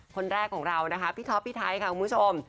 คนแรกของเรานะคะพี่ท็อปพี่ไทยค่ะคุณผู้ชม